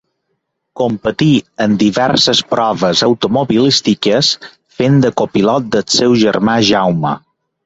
Competí en diverses proves automobilístiques fent de copilot del seu germà Jaume.